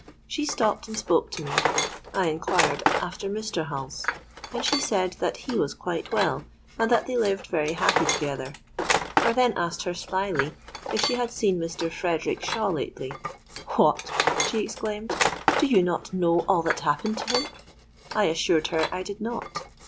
She stopped and spoke to me. I inquired after Mr. Hulse; and she said that he was quite well, and that they lived very happy together. I then asked her slyly if she had seen Mr. Frederick Shawe lately.—'What!' she exclaimed, 'do you not know all that happened to him?'—I assured her I did not.